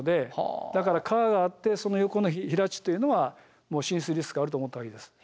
だから川があってその横の平地っていうのは浸水リスクがあると思ったほうがいいです。